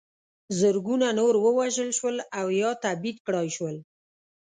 زرګونه نور ووژل شول او یا تبعید کړای شول.